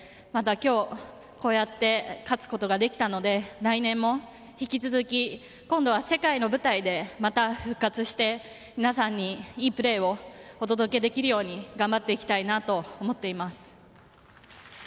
今日こうやって勝つことができたので来年も引き続き今度は世界の舞台でまた復活して皆さんに良いプレーをお届けできるように頑張っていきたいなと思っています。